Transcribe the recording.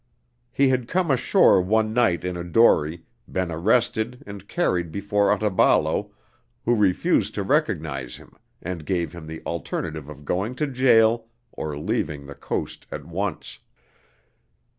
He had come ashore one night in a dory, been arrested and carried before Otaballo who refused to recognize him and gave him the alternative of going to jail or leaving the coast at once.